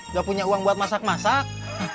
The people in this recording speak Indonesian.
nggak punya uang buat masak masak